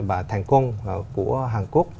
và thành công của hàn quốc